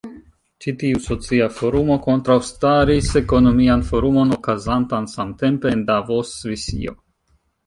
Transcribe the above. Ĉi tiu socia forumo kontraŭstaris ekonomian forumon okazantan samtempe en Davos, Svisio.